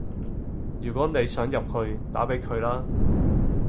如果你想入去，打畀佢啦